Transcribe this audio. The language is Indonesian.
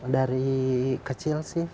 dari kecil sih